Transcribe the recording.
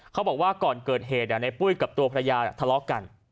เขาบอกว่าก่อนเกิดเหตุในปุ้ยกับตัวภรรยาทะเลาะกัน